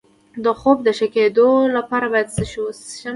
د خوب د ښه کیدو لپاره باید څه شی وڅښم؟